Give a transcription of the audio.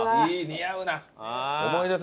似合うな！